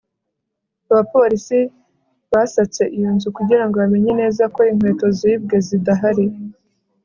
abapolisi basatse iyo nzu kugira ngo bamenye neza ko inkweto zibwe zidahari